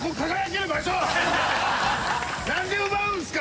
何で奪うんすか？